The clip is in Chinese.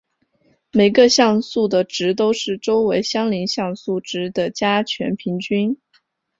每个像素的值都是周围相邻像素值的加权平均。